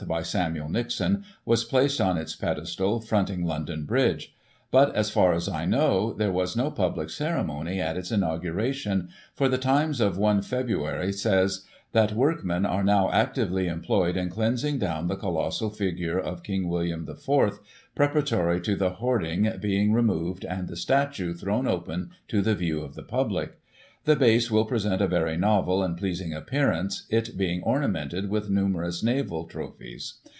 by Samuel Nixon, was placed on its pedestal, fronting London Bridge ; but, as far as I know, there was no public ceremony at its inauguration, for the Times of i Feb. says :" That workmen are now actively employed in cleansing down the colossal figure of King William IV., preparatory to the hoarding being removed, and the statue thrown open to the view of the public. The base will present a very novel and pleasing appearance, it being ornamented with nimierous naval trophies.